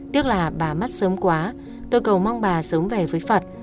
tiếc là bà mắt sớm quá tôi cầu mong bà sớm về với phật